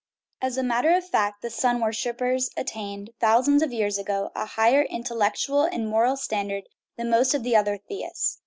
As a matter of fact, the sun worshippers attained, thousands of years ago, a higher intellectual and moral standard than most of the other theists.